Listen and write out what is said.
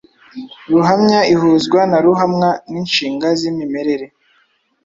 Ruhamya ihuzwa na ruhamwa n’inshinga z’imimerere